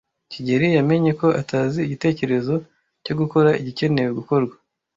kigeli yamenye ko atazi igitekerezo cyo gukora igikenewe gukorwa.